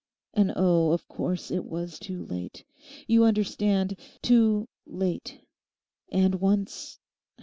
And oh, of course it was too late. You understand—too late. And once...